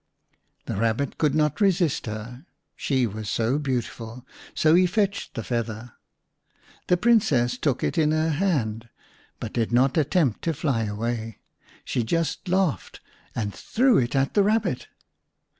The Kabbit could not resist her, she was so beautiful ; so he fetched the feather. The Princess took it in her hand but did not attempt to fly away. She just laughed and threw it at the Kabbit.